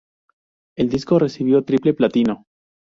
El disco recibió triple platino.